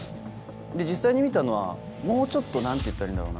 実際に見たのはもうちょっと何ていったらいいんだろうな。